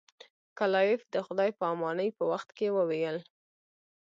کلایف د خدای په امانی په وخت کې وویل.